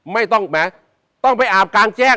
ไม่ต้องแม้ต้องไปอาบกลางแจ้ง